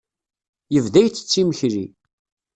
Yebda ittett imekli.